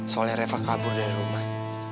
soalnya reva kabur dari rumah